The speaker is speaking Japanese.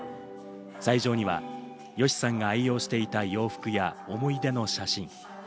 斎場にはＹＯＳＨＩさんが愛用していた洋服や思い出の写真。